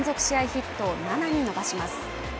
ヒットを７に伸ばします